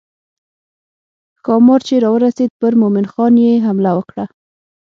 ښامار چې راورسېد پر مومن خان یې حمله وکړه.